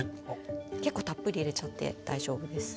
結構たっぷり入れちゃって大丈夫です。